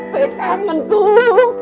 saya kangen kum